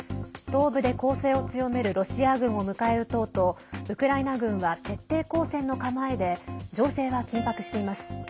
東部で攻勢を強めるロシア軍を迎え撃とうとウクライナ軍は徹底抗戦の構えで情勢は緊迫しています。